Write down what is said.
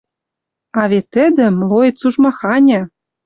А вет тӹдӹ — млоец уж маханьы!